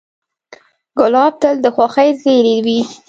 ګلاب تل د خوښۍ زېری وي.